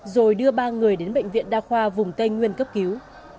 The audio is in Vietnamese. rồi đưa ba người đến bệnh viện đa khoa vùng tây nguyên cấp cứu